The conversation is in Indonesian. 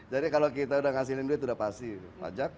jadi kalau kita udah ngasih duit udah pasti pajak